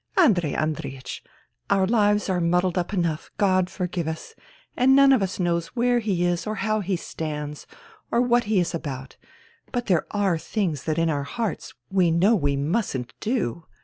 Andrei Andreiech, our lives are muddled up enough, God forgive us, and none of us knows where he is or how he stands or what he is about ; but there are things that in our hearts we know we mustn't do.